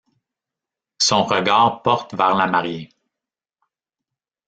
Son regard porte vers la mariée.